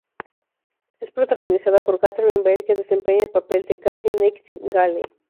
Es protagonizada por Catherine Bell, que desempeña el papel de Cassie Nightingale.